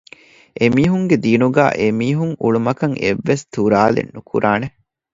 އެމީހުންގެ ދީނުގައި އެމިހުން އުޅުމަކަށް އެއްވެސް ތުރާލެއް ނުކުރާނެ